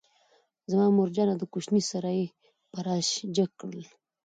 زما مورجانه دکوچنی سره یې پر آس جګ کړل،